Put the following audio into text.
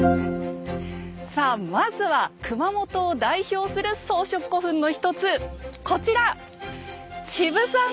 さあまずは熊本を代表する装飾古墳の一つこちら！